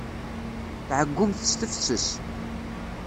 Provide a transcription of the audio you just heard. Tɛeyyumt s tefses.